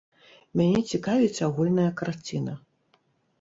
Мяне цікавіць агульная карціна.